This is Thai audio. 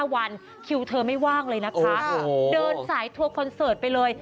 วันคิวเธอไม่ว่างเลยนะคะเดินสายทัวร์คอนเสิร์ตไปเลย